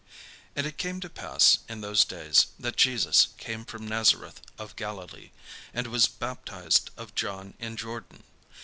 And it came to pass in those days, that Jesus came from Nazareth of Galilee, and was baptized of John in Jordan.